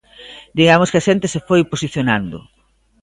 Digamos que a xente se foi posicionando.